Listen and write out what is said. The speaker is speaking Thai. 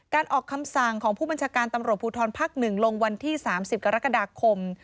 การออกคำสั่งของผู้บัญชการตภภหนึ่งลงวันที่๓๐กรกฎาคม